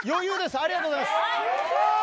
ありがとうございます。